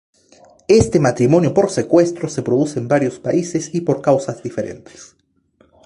Este "matrimonio por secuestro" se produce en varios países y por causas diferentes.